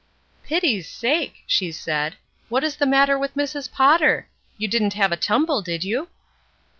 "Pity's sake!" she said, ''what is the matter with Mrs. Potter? You didn't have a tumble, did you?"